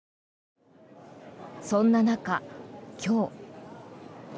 そんな中、今日。